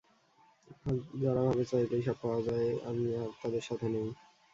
যারা ভাবে চাইলেই সব পাওয়া যায়, আমি আর তাদের সাথে নেই।